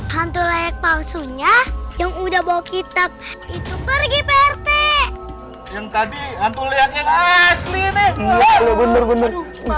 hantu leak palsunya yang udah bawa kitab itu pergi perte yang tadi hantu leak yang asli bener bener